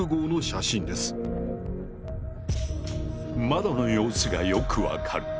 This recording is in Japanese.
窓の様子がよく分かる。